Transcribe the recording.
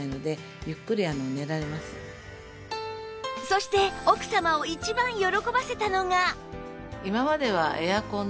そして奥様を一番喜ばせたのが